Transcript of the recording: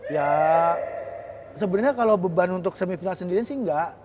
ya sebenarnya kalau beban untuk semifinal sendirian sih nggak